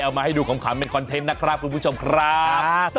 มาให้ดูขำเป็นคอนเทนต์นะครับคุณผู้ชมครับ